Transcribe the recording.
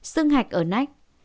sưng hạch ở nách